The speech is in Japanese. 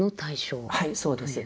はいそうです。